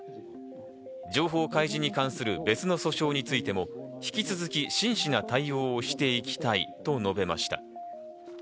情報開示に関する別の訴訟についても引き続き真摯な対応をしていきたいと述べました。